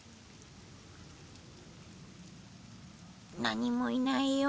何もいないよ。